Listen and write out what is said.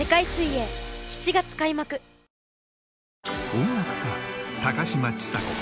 音楽家高嶋ちさ子